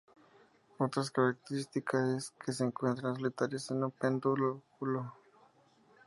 Otra característica es que se encuentran solitarias en un pedúnculo.